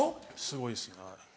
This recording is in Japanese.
すごいですね。